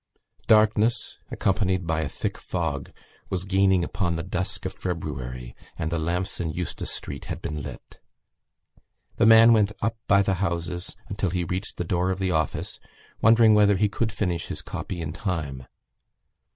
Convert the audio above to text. Darkness, accompanied by a thick fog, was gaining upon the dusk of February and the lamps in Eustace Street had been lit. The man went up by the houses until he reached the door of the office, wondering whether he could finish his copy in time.